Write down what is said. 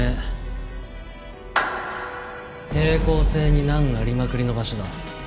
抵抗性に難ありまくりの場所だ。